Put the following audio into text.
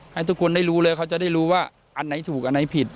ให้ทุกคนได้รู้เลยเขาจะได้รู้ว่าอันไหนถูกอันไหนผิด